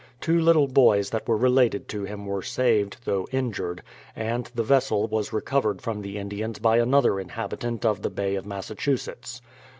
Two little boys that were related to him were saved, though injured, and the vessel was recovered from the Indians by another inhabitant of the Bay of JMassachusetts.